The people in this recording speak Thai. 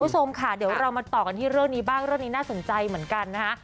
คุณผู้ชมค่ะเดี๋ยวเรามาต่อกันที่เรื่องนี้บ้างเรื่องนี้น่าสนใจเหมือนกันนะคะ